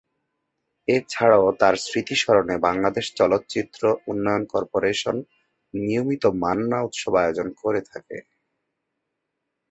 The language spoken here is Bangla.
এছাড়াও তার স্মৃতি স্মরণে বাংলাদেশ চলচ্চিত্র উন্নয়ন কর্পোরেশন নিয়মিত মান্না উৎসব আয়োজন করে থাকে।